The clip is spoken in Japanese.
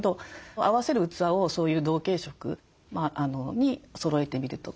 合わせる器をそういう同系色にそろえてみるとか。